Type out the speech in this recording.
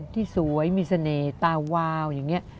ที่สวยมีเสน่ห์ตาวาวอย่างนี้